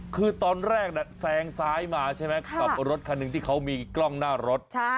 คือตอนแรกแซงซ้ายมาใช่ไหมกับรถคันหนึ่งที่เขามีกล้องหน้ารถ